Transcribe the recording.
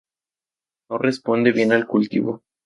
No responde bien al cultivo.